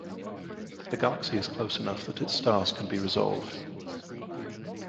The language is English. The galaxy is close enough that its stars can be resolved.